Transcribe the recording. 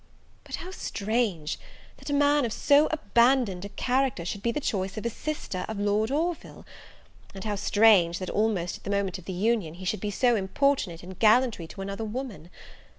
But how strange, that a man of so abandoned a character should be the choice of a sister of Lord Orville! and how strange, that, almost at the moment of the union, he should be so importunate in gallantry to another woman!